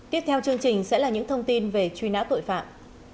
tiếp theo chương trình sẽ là những thông tin về truy nã tội phạm